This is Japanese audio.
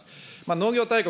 農業大国